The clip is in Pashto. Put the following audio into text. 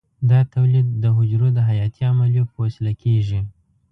دا تولید د حجرو د حیاتي عملیو په وسیله کېږي.